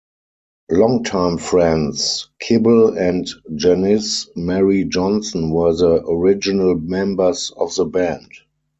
Long time friends, Kibble and Janice-Marie Johnson were the original members of the band.